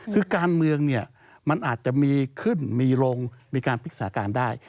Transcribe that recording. คือการเมืองเนี่ยมันอาจจะมีขึ้นมีลงมีการพลิกษาการได้